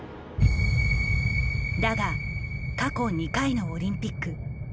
だが過去２回のオリンピック。